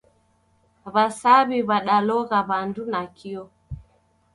W'asaw'i w'adalogha w'andu nakio